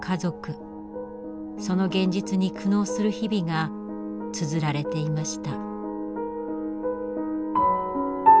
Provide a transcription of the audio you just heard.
その現実に苦悩する日々がつづられていました。